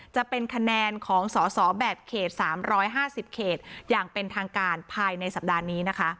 จะเป็นคะแนนของสอสอแบบเขต๓๕๐เขตอย่างเป็นทางการภายในสัปดาห์นี้นะคะ